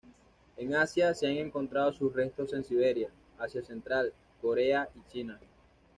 En Asia se han encontrado sus restos en Siberia, Asia Central, Corea y China.